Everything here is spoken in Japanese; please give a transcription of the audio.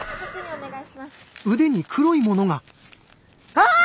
あっ！